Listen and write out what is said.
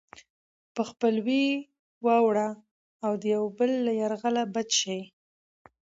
په خپلوۍ واوړي او د يو بل له يرغله بچ شي.